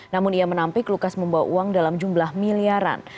namun ia menampik lukas membawa uang dalam jumlah miliaran